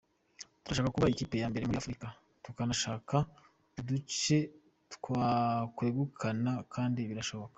Turashaka kuba ikipe ya mbere muri Afurika tukanashaka uduce twakwegukana kandi birashoboka.